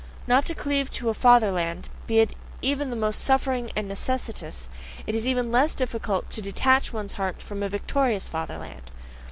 Not to cleave to a fatherland, be it even the most suffering and necessitous it is even less difficult to detach one's heart from a victorious fatherland.